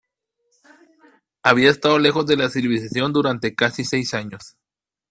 Había estado lejos de la civilización durante casi seis años.